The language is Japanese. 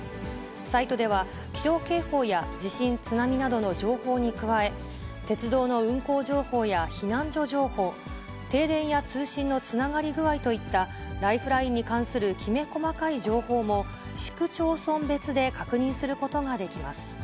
サイトでは、気象警報や地震、津波などの情報に加え、鉄道の運行情報や避難所情報、停電や通信のつながり具合といった、ライフラインに関するきめ細かい情報も、市区町村別で確認することができます。